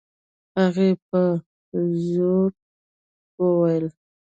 هغې په زوټه وويل.